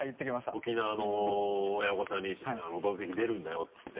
沖縄の親御さんに「オドぜひ」出るんだよって言って。